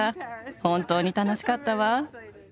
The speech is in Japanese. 本当に楽しかったわ。